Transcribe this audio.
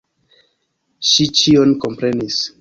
Ŝi ĉion komprenis.